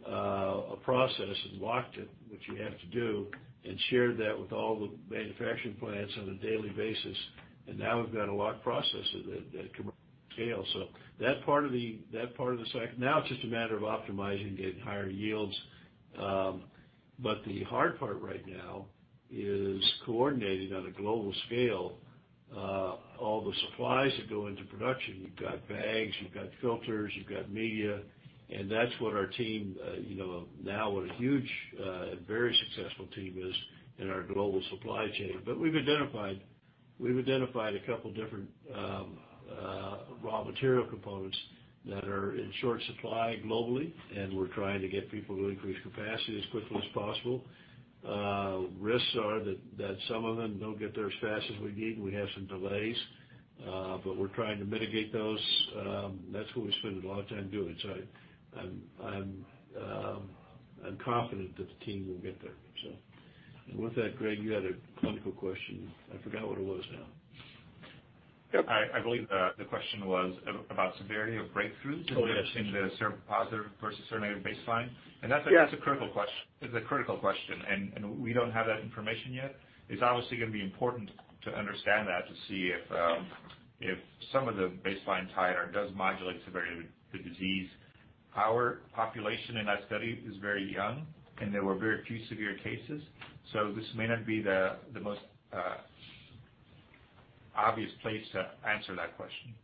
a process and walked it, which you have to do, and shared that with all the manufacturing plants on a daily basis. And now we've got a lot of processes that can scale. So that part of the now it's just a matter of optimizing and getting higher yields. But the hard part right now is coordinating on a global scale. All the supplies that go into production, you've got bags, you've got filters, you've got media. And that's what our team now, a huge and very successful team is in our global supply chain. But we've identified a couple of different raw material components that are in short supply globally, and we're trying to get people to increase capacity as quickly as possible. Risks are that some of them don't get there as fast as we need. We have some delays, but we're trying to mitigate those. That's what we spend a lot of time doing. So I'm confident that the team will get there, so. And with that, Greg, you had a clinical question. I forgot what it was now. Yep. I believe the question was about severity of breakthroughs in the seropositive versus seronegative baseline. And that's a critical question. It's a critical question. And we don't have that information yet. It's obviously going to be important to understand that to see if some of the baseline titer does modulate severity of the disease. Our population in that study is very young, and there were very few severe cases. So this may not be the most obvious place to answer that question.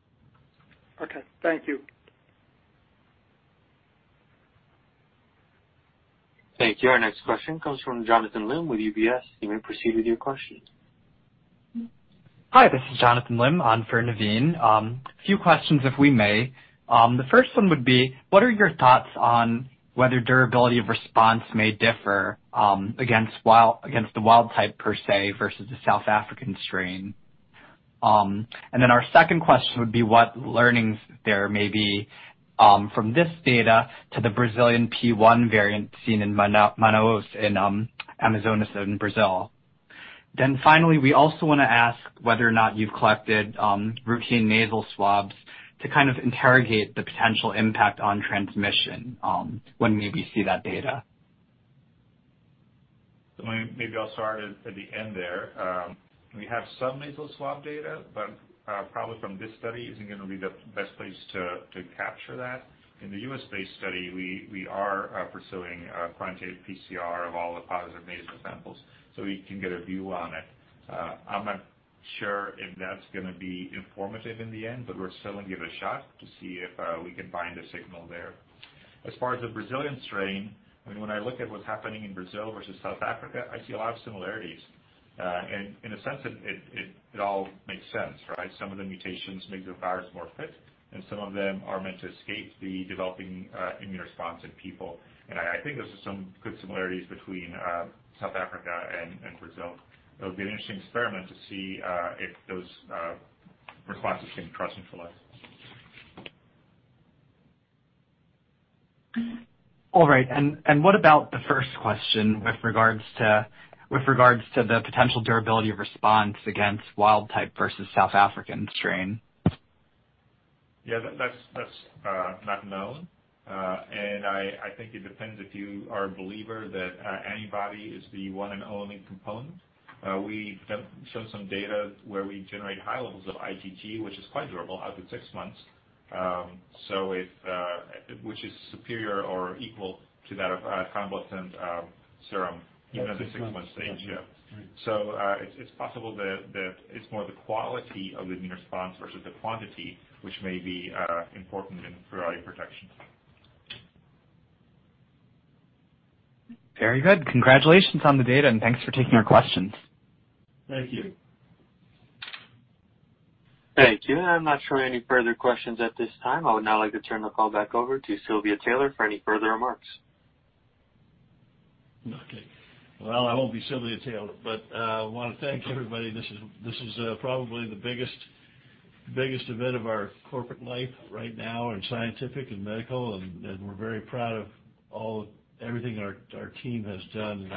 Okay. Thank you. Thank you. Our next question comes from Jonathan Lim with UBS. You may proceed with your question. Hi. This is Jonathan Lim, on for Naveen. A few questions, if we may. The first one would be, what are your thoughts on whether durability of response may differ against the wild type, per se, versus the South African strain? And then our second question would be what learnings there may be from this data to the Brazilian P.1 variant seen in Manaus in Amazonas in Brazil? Then finally, we also want to ask whether or not you've collected routine nasal swabs to kind of interrogate the potential impact on transmission when we see that data? Maybe I'll start at the end there. We have some nasal swab data, but probably from this study isn't going to be the best place to capture that. In the U.S.-based study, we are pursuing quantitative PCR of all the positive nasal samples so we can get a view on it. I'm not sure if that's going to be informative in the end, but we're still going to give it a shot to see if we can find a signal there. As far as the Brazilian strain, I mean, when I look at what's happening in Brazil versus South Africa, I see a lot of similarities. And in a sense, it all makes sense, right? Some of the mutations make the virus more fit, and some of them are meant to escape the developing immune response in people. And I think there's some good similarities between South Africa and Brazil. It'll be an interesting experiment to see if those responses can cross-neutralize. All right, and what about the first question with regards to the potential durability of response against wild type versus South African strain? Yeah. That's not known. And I think it depends if you are a believer that antibody is the one and only component. We showed some data where we generate high levels of IgG, which is quite durable, out to six months, which is superior or equal to that of convalescent serum even at the six-month stage. Yeah. So it's possible that it's more the quality of the immune response versus the quantity, which may be important in priority protection. Very good. Congratulations on the data, and thanks for taking our questions. Thank you. Thank you, and I'm not showing any further questions at this time. I would now like to turn the call back over to Silvia Taylor for any further remarks. Okay. Well, I won't be Silvia Taylor, but I want to thank everybody. This is probably the biggest event of our corporate life right now in scientific and medical, and we're very proud of everything our team has done, and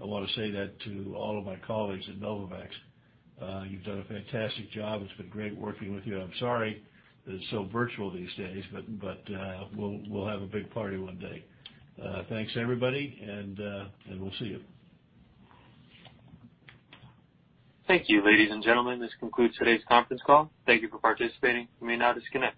I want to say that to all of my colleagues at Novavax. You've done a fantastic job. It's been great working with you. I'm sorry that it's so virtual these days, but we'll have a big party one day. Thanks, everybody, and we'll see you. Thank you, ladies and gentlemen. This concludes today's conference call. Thank you for participating. You may now disconnect.